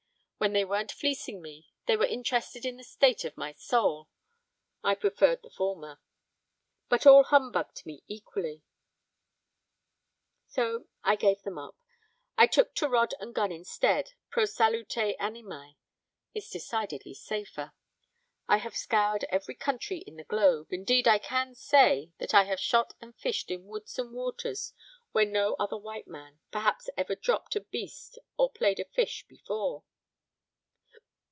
When they weren't fleecing me, they were interested in the state of my soul (I preferred the former), but all humbugged me equally, so I gave them up. I took to rod and gun instead, pro salute animae; it's decidedly safer. I have scoured every country in the globe; indeed I can say that I have shot and fished in woods and waters where no other white man, perhaps ever dropped a beast or played a fish before.